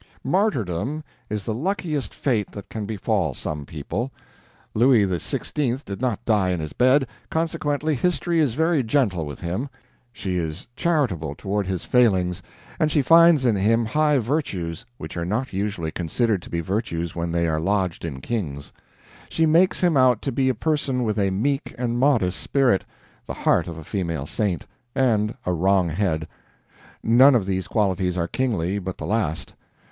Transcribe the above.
Martyrdom is the luckiest fate that can befall some people. Louis XVI did not die in his bed, consequently history is very gentle with him; she is charitable toward his failings, and she finds in him high virtues which are not usually considered to be virtues when they are lodged in kings. She makes him out to be a person with a meek and modest spirit, the heart of a female saint, and a wrong head. None of these qualities are kingly but the last.